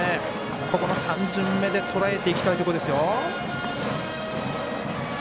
ここの３巡目でとらえていきたいところですよ。